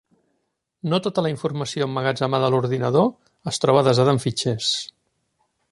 No tota la informació emmagatzemada a l'ordinador es troba desada en fitxers.